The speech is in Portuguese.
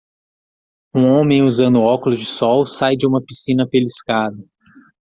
Um homem usando óculos de sol sai de uma piscina pela escada.